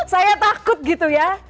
saya takut gitu ya